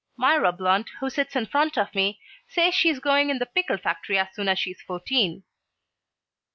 "Myra Blunt, who sits in front of me, says she's going in the pickle factory as soon as she's fourteen."